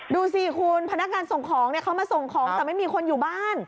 ดูสิคุณพนักงานส่งของเขามาส่งของแต่ไม่มีคนอยู่บ้าน